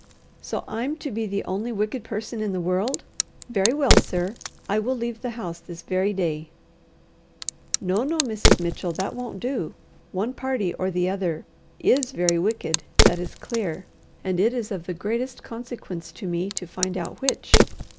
"So I'm to be the only wicked person in the world! Very well, sir! I will leave the house this very day." "No, no, Mrs. Mitchell; that won't do. One party or the other is very wicked that is clear; and it is of the greatest consequence to me to find out which.